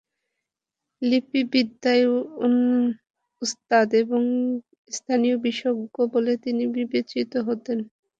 লিপি বিদ্যায় উস্তাদ এবং স্থানীয় বিশেষজ্ঞ বলে তিনি বিবেচিত হতেন।